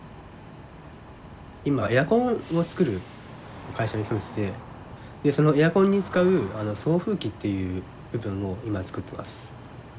今エアコンを作る会社に勤めててそのエアコンに使う送風機っていう部分を今作ってます。